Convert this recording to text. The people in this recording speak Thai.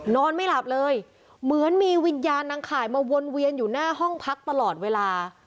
นอนไม่หลับเลยเหมือนมีวิญญาณนางข่ายมาวนเวียนอยู่หน้าห้องพักตลอดเวลา